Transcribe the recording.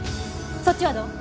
そっちはどう？